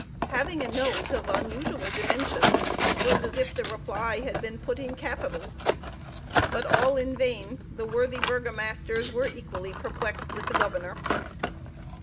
Having a nose of unusual dimensions, it was as if the reply had been put in capitals, but all in vain, the worthy burgomasters were equally perplexed with the governor.